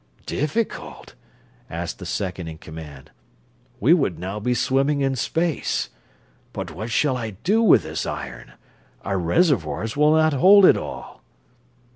"Difficult?" asked the second in command. "We would now be swimming in space. But what shall I do with this iron? Our reservoirs will not hold it all."